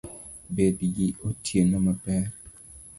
Bed gi otieno maber